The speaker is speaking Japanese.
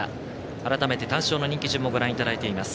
改めて、単勝の人気順もご覧いただいています。